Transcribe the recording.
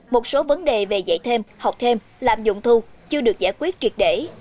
một số vấn đề về dạy thêm học thêm làm dụng thu chưa được giải quyết triệt để